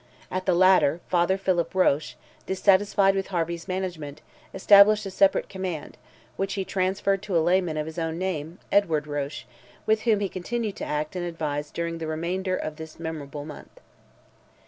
At the latter, Father Philip Roche, dissatisfied with Harvey's management, established a separate command, which he transferred to a layman of his own name, Edward Roche, with whom he continued to act and advise during the remainder of this memorable month.